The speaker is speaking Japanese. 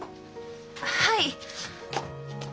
はい！